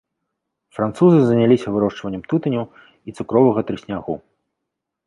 Французы заняліся вырошчваннем тытуню і цукровага трыснягу.